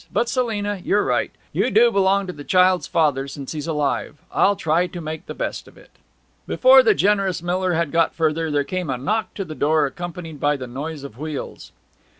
But Selina you're right. You do belong to the child's father since he's alive. I'll try to make the best of it.' Before the generous Miller had got further there came a knock to the door accompanied by the noise of wheels.